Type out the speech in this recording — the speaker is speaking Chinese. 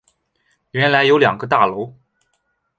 原来有两个大楼